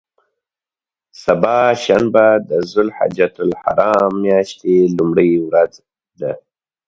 سبا شنبه د ذوالحجة الحرام میاشتې لومړۍ ورځ ده.